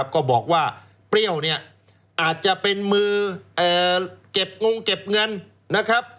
ก็บอกว่าเปรี้ยวอาจจะเป็นมือเก็บงงเก็บเงิน